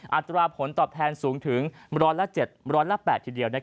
อัตราผลตอบแทนสูงถึง๑๗๐๐ละ๘ทีเดียว